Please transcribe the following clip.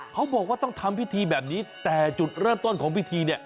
เขาบอกว่าต้องทำพิธีแบบนี้แต่จุดเริ่มต้นของพิธีเนี่ย